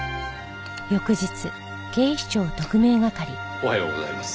おはようございます。